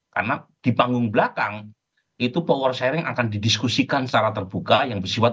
karena di panggung belakang itu power sharing akan didiskusikan secara terbuka yang bersifat win win